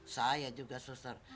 saya juga suster